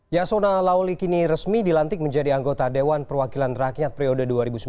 yasona lauli kini resmi dilantik menjadi anggota dewan perwakilan rakyat periode dua ribu sembilan belas dua ribu dua